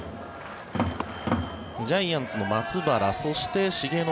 ジャイアンツの松原そして重信